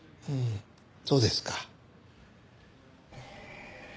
そうですか。